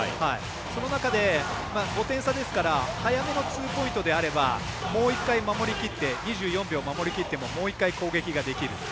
その中で、５点差ですから早めのツーポイントであれば２４秒守りきってももう１回攻撃ができる。